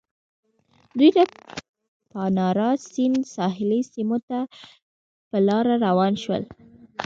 دوی د پانارا سیند ساحلي سیمو ته په لاره روان شول.